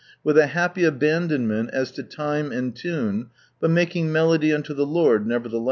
with a happy abandonment as to lime and tune, but making melody unto the Ixird, nevertheless.